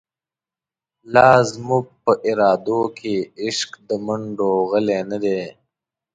لازموږ په ارادوکی، عشق دمنډوغلی نه دی